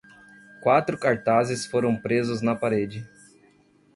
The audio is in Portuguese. Quatro cartazes foram presos na parede